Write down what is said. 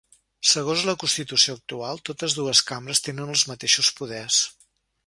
Segons la constitució actual, totes dues cambres tenen els mateixos poders.